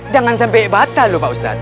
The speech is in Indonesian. jangan sampai batal loh pak ustadz